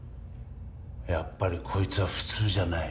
やっぱりこいつは普通じゃない。